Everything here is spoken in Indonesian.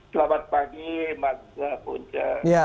selamat pagi mas buncer